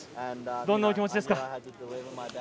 どんなお気持ちですか？